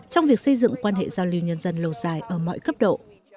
trong việc xây dựng quan hệ giao lưu nhân dân lâu dài ở mọi cấp độ